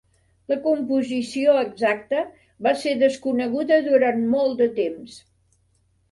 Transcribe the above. La composició exacta va ser desconeguda durant molt de temps.